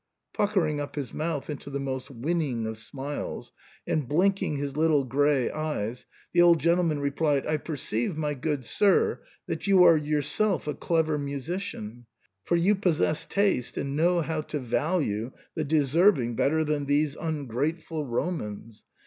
Puckering up his mouth into the most winning of smiles, and blinking his little grey eyes, the old gentle man replied, " I perceive, my good sir, that you are yourself a clever musician, for you possess taste and know how to value the deserving better than these ungrateful Romans.